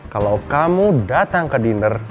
kalau kamu datang ke dinner